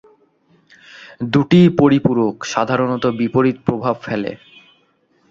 দুটিই পরিপূরক, সাধারণত বিপরীত প্রভাব ফেলে।